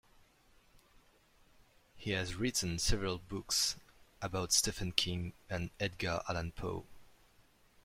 He has written several books about Stephen King and Edgar Allan Poe.